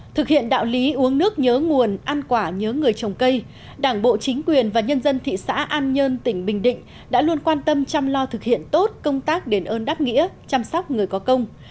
thực hiện đạo lý uống nước nhớ nguồn ăn quả nhớ người trồng cây đảng bộ chính quyền và nhân dân thị xã an nhơn tỉnh bình định đã luôn quan tâm chăm lo thực hiện tốt công tác đền ơn đáp nghĩa chăm sóc người có công